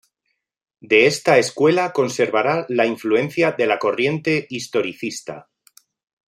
De esta escuela conservará la influencia de la corriente historicista.